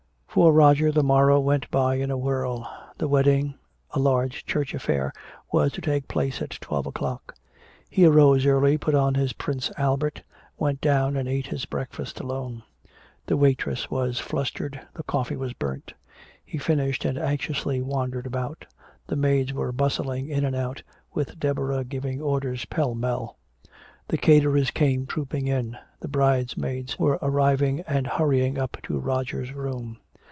For Roger the morrow went by in a whirl. The wedding, a large church affair, was to take place at twelve o'clock. He arose early, put on his Prince Albert, went down and ate his breakfast alone. The waitress was flustered, the coffee was burnt. He finished and anxiously wandered about. The maids were bustling in and out, with Deborah giving orders pellmell. The caterers came trooping in. The bridesmaids were arriving and hurrying up to Roger's room.